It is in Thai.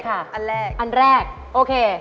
กลับมากันเลยค่ะ